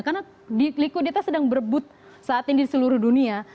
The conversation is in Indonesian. karena likuiditas sedang berebut saat ini di seluruh dunia